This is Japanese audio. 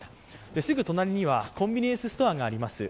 すぐ隣にはコンビニエンスストアがあります。